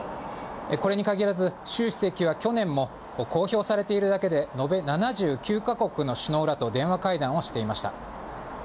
これに限らず、習主席は去年も公表されているだけで、延べ７９か国の首脳らと電話会談をしていました。